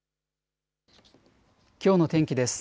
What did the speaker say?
きょうの天気です。